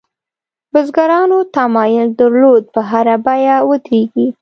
بزګرانو تمایل درلود په هره بیه ودرېږي.